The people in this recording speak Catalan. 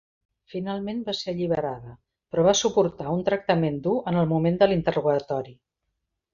Finalment va ser alliberada, però va suportar un tractament dur en el moment de l'interrogatori.